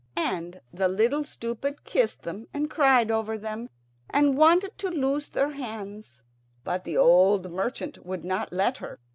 And the Little Stupid kissed them and cried over them, and wanted to loose their hands, but the old merchant would not let her.